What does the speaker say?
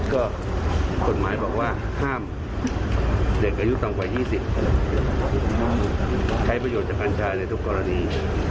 ก็กฎหมายบอกว่าห้ามเด็กอายุต่ำกว่า๒๐ใช้ประโยชน์จากกัญชาในทุกกรณี